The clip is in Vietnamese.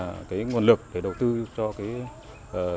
vì vậy là nguồn lực để đầu tư cho các dân cư xa trung tâm